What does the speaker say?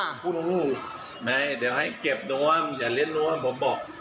เดี๋ยวให้เก็บโน้มอย่าเล่นโน้มผมบอก